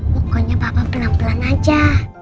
pokoknya bakal pelan pelan aja